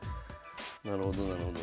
なるほどなるほど。